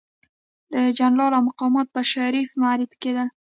جنرالان او مقامات به شریف معرفي کېدل.